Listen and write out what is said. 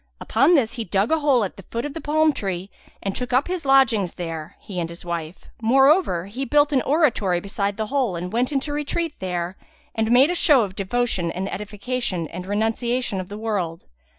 Upon this he dug a hole at the foot of the palm tree and took up his lodgings there, he and his wife; moreover, he built an oratory beside the hole and went into retreat there and made a show of devotion and edification and renunciation of the world.